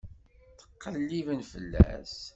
Ttqelliben fell-as.